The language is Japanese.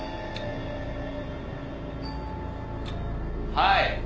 はい。